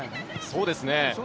そうですね。